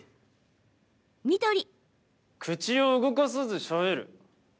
口を動かさず、しゃべる。